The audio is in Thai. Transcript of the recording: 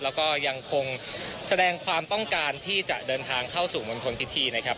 แล้วก็ยังคงแสดงความต้องการที่จะเดินทางเข้าสู่มณฑลพิธีนะครับ